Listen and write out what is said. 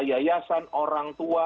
yayasan orang tua